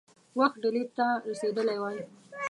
وخت ډهلي ته رسېدلی وای.